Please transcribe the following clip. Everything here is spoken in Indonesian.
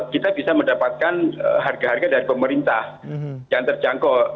kita bisa mendapatkan harga harga dari pemerintah yang terjangkau